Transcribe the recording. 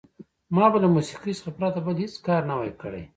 ما به له موسیقۍ څخه پرته بل هېڅ کار نه وای کړی.